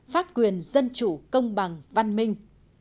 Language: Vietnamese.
pháp quyền dân chủ công bằng văn minh